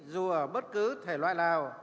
dù ở bất cứ thể loại nào